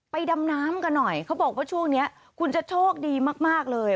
ดำน้ำกันหน่อยเขาบอกว่าช่วงนี้คุณจะโชคดีมากเลย